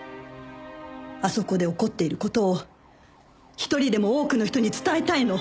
あそこで起こっている事を一人でも多くの人に伝えたいの。